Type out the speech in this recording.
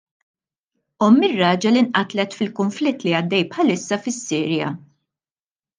Omm ir-raġel inqatlet fil-kunflitt li għaddej bħalissa fis-Sirja.